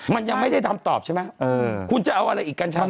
มันยังไม่ได้ทำตอบใช่ไหมคุณจะเอาอะไรอีกกัญชา